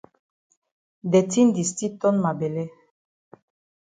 De tin di still ton ma bele.